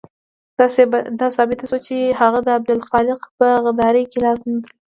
دا ثابته شوه چې هغه د عبدالحق په غداري کې لاس نه درلود.